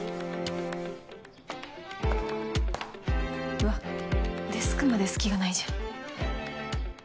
うわデスクまで隙がないじゃん。